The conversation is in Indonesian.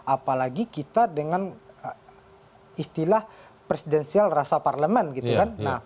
apalagi kita dengan istilah presidensial rasa parlemen gitu kan